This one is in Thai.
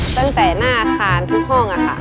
ตั้งแต่หน้าอาคารทุกห้องค่ะ